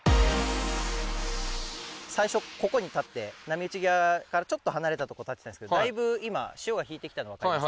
最初ここに立って波打ち際からちょっと離れたとこ立ってたんですけどだいぶ今潮が引いてきたの分かります？